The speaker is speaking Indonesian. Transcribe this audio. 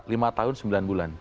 lima tahun sembilan bulan